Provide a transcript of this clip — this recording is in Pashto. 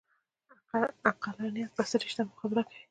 عقلانیت بڅري شته مقابله کوي